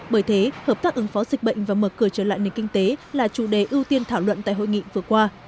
bởi thế hợp tác ứng phó dịch bệnh và mở cửa trở lại nền kinh tế là chủ đề ưu tiên thảo luận tại hội nghị vừa qua